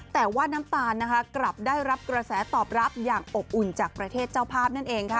แต่ว่าน้ำตาลนะคะกลับได้รับกระแสตอบรับอย่างอบอุ่นจากประเทศเจ้าภาพนั่นเองค่ะ